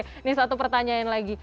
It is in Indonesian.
ini satu pertanyaan lagi